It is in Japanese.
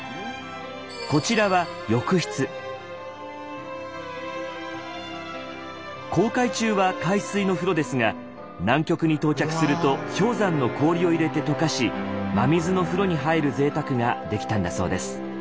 こちらは航海中は海水の風呂ですが南極に到着すると氷山の氷を入れて解かし真水の風呂に入る贅沢ができたんだそうです。